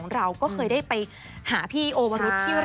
ส่งมาให้โอโนเฟอร์เรเวอร์